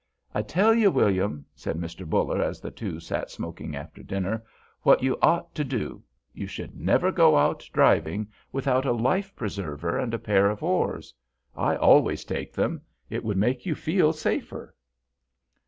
"I tell you, William," said Mr. Buller, as the two sat smoking after dinner, "what you ought to do; you should never go out driving without a life preserver and a pair of oars; I always take them. It would make you feel safer."